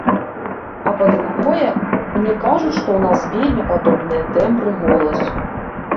А па-другое, мне кажуць, што ў нас вельмі падобныя тэмбры голасу.